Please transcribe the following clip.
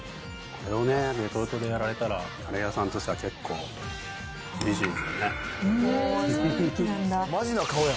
これをね、レトルトでやられたら、カレー屋さんとしては結構、厳しいですね。